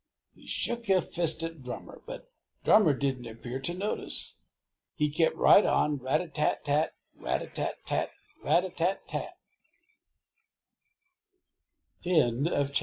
He shook a fist at Drummer, but Drummer didn't appear to notice. He kept right on, rat a tat tat tat, rat a tat tat tat, rat a tat tat tat! VII.